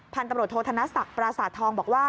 พันธ์ตำรวจโทษธนสักปราศาสตร์ทองบอกว่า